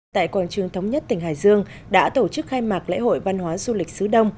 tại quảng trường thống nhất tỉnh hải dương đã tổ chức khai mạc lễ hội văn hóa du lịch sứ đông